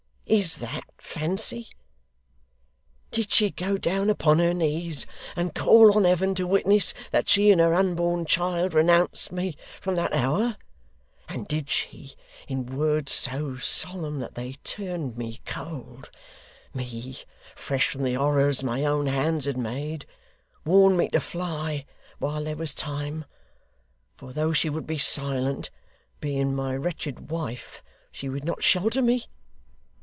Is THAT fancy? 'Did she go down upon her knees, and call on Heaven to witness that she and her unborn child renounced me from that hour; and did she, in words so solemn that they turned me cold me, fresh from the horrors my own hands had made warn me to fly while there was time; for though she would be silent, being my wretched wife, she would not shelter me?